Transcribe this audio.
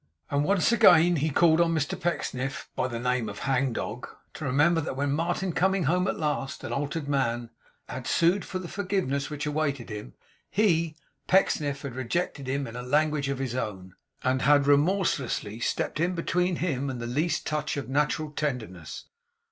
And once again he called on Mr Pecksniff (by the name of Hang dog) to remember that when Martin coming home at last, an altered man, had sued for the forgiveness which awaited him, he, Pecksniff, had rejected him in language of his own, and had remorsely stepped in between him and the least touch of natural tenderness.